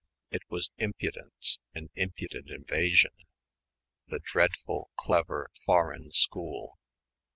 It was impudence, an impudent invasion ... the dreadful clever, foreign school....